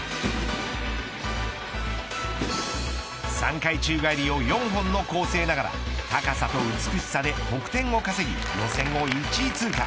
３回宙返りを４本の構成ながら高さと美しさで得点を稼ぎ予選を１位通過。